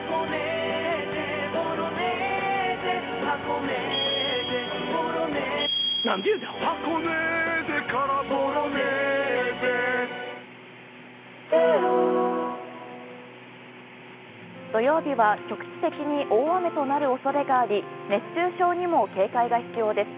東京、真夏かと思うような土曜日は局地的に大雨となる恐れがあり熱中症にも警戒が必要です。